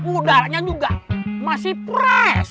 udaranya juga masih press